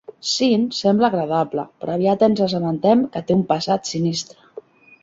Syn sembla agradable, però aviat ens assabentem que té un passat sinistre.